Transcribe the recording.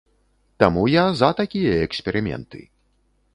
Таму я за такія эксперыменты!